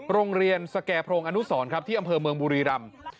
โรงเรียนสแก่โพรงอนุสรครับที่อำเภอเมืองบุรีรำ